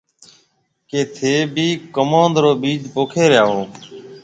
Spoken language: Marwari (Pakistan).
ڪِي ٿَي ڀِي ڪموُند رو ٻِيج پوکي ريا هون۔